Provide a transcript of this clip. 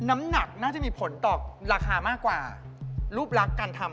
น้ำหนักน่าจะมีผลต่อราคามากกว่ารูปลักษณ์การทำ